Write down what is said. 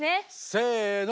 せの！